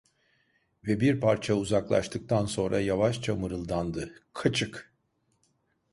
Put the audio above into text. Ve bir parça uzaklaştıktan sonra yavaşça mırıldandı "Kaçık!"